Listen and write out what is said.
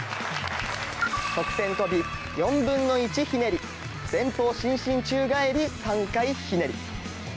側転跳び４分の１ひねり前方伸身宙返り３回ひねり。